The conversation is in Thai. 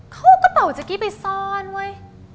เขาเอากระเป๋าแจ๊กกี้ไปซ่อนเว้ย